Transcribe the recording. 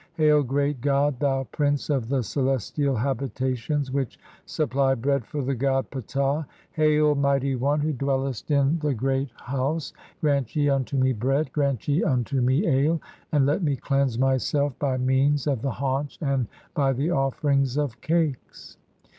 Hail , Great "God, thou prince of the celestial habitations which supply "bread for the god Ptah ! [Hail, Mighty One who dwellest in THE CHAPTER OF KNOWING THE SOULS OF THE WEST. 167 "the Great House!] Grant ye unto me bread, grant ye (3) unto "me ale, and let me cleanse myself by means of the haunch "and by the offerings of cakes.